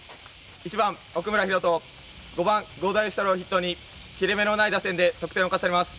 １番奥村大翔５番合田慶太朗を筆頭に切れ目のない打線で得点を重ねます。